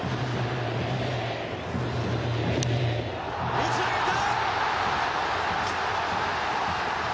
打ち上げた！